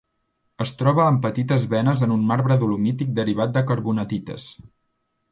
Es troba en petites venes en un marbre dolomític derivat de carbonatites.